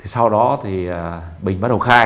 sau đó thì bình bắt đầu khai